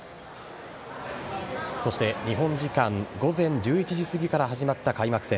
そして日本時間午前１１時すぎから始まった開幕戦。